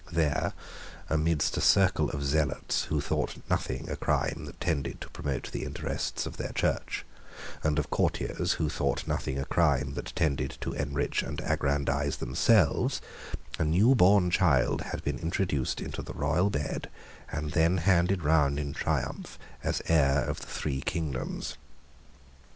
There, amidst a circle of zealots who thought nothing a crime that tended to promote the interests of their Church, and of courtiers who thought nothing a crime that tended to enrich and aggrandise themselves, a new born child had been introduced into the royal bed, and then handed round in triumph, as heir of the three kingdoms.